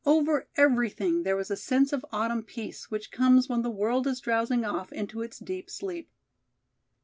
Over everything there was a sense of autumn peace which comes when the world is drowsing off into his deep sleep.